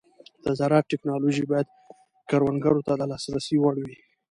د زراعت ټيکنالوژي باید کروندګرو ته د لاسرسي وړ وي.